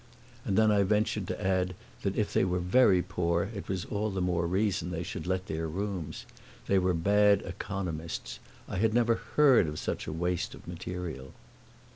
And then I ventured to add that if they were very poor it was all the more reason they should let their rooms. They were bad economists I had never heard of such a waste of material.